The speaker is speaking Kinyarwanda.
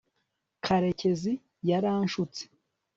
karekezi yaranshutse